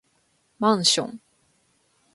マンション